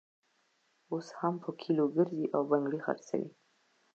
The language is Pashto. اوس هم په کلیو ګرزي او بنګړي خرڅوي.